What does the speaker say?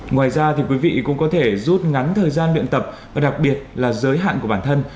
ngoài ra thì quý vị cũng có thể rút ngắn thời gian luyện tập và đặc biệt là giới hạn của bản thân